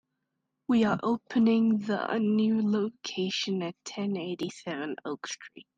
We are opening the a new location at ten eighty-seven Oak Street.